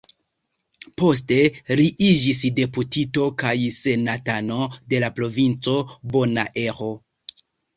Poste li iĝis deputito kaj senatano de la provinco Bonaero.